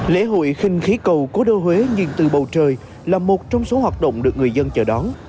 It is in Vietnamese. lễ hội khinh khí cầu cố đô huế nhìn từ bầu trời là một trong số hoạt động được người dân chờ đón